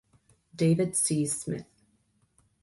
David C. Smith.